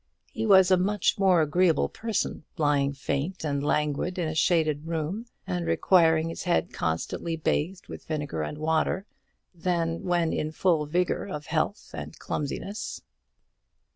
He was a much more agreeable person lying faint and languid in a shaded room, and requiring his head constantly bathed with vinegar and water, than when in the full vigour of health and clumsiness.